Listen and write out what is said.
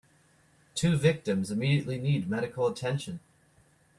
Two victims immediately need medical attention.